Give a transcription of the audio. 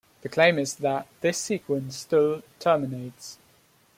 The claim is that this sequence still terminates.